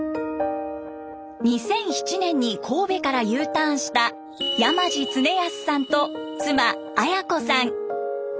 ２００７年に神戸からＵターンした山地常安さんと妻綾子さん。